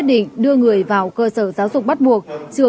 tư tưởng cho cán bộ